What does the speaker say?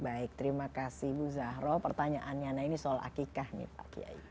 baik terima kasih bu zahroh pertanyaannya ini soal akeka nih pak kiai